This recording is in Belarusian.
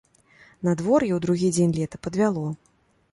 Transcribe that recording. Надвор'е ў другі дзень лета падвяло.